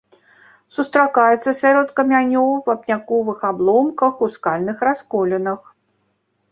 Сустракаецца сярод камянёў, вапняковых абломкаў, у скальных расколінах.